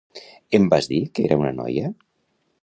Em vas dir que era una noia?